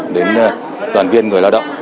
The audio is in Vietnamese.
đến toàn viên người lao động